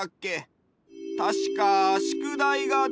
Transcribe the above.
たしかしゅくだいがどうとか。